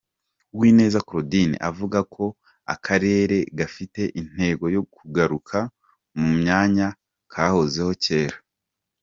Uwineza Claudine avuga ko akarere gafite intego yo kugaruka mu myanya kahozeho kera.